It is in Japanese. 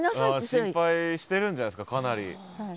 心配してるんじゃないですかかなり。